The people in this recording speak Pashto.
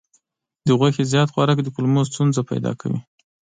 د غوښې زیات خوراک د کولمو ستونزې پیدا کوي.